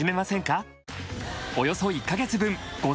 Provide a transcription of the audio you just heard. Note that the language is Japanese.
およそ１カ月分